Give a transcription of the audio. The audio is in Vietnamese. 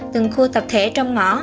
từng khu tập thể trong ngõ